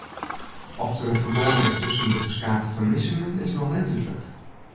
Oft der in ferbân is tusken de ferskate fermissingen is noch net dúdlik.